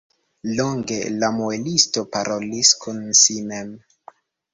Longe la muelisto parolis kun si mem.